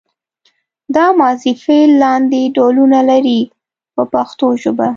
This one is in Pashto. دا ماضي فعل لاندې ډولونه لري په پښتو ژبه.